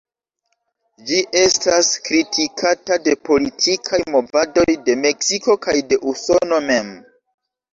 Ĝi estas kritikata de politikaj movadoj de Meksiko kaj de Usono mem.